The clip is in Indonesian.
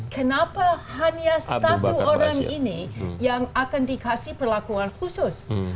kenapa hanya satu orang ini yang akan dikasih perlakuan khusus